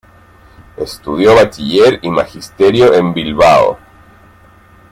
Estudió Bachiller y Magisterio en Bilbao.